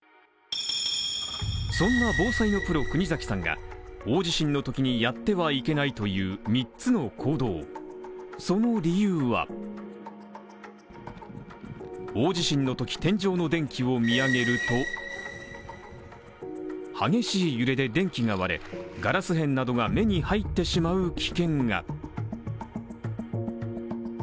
そんな防災のプロ・国崎さんが大地震のときにやってはいけないという３つの行動、その理由は大地震のとき、天井の電気を見上げると激しい揺れで電気が割れガラス片などが目に入ってしまう危険が。